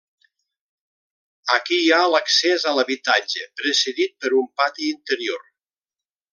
Aquí hi ha l'accés a l'habitatge, precedit per un pati interior.